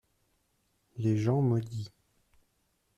Les gens maudits.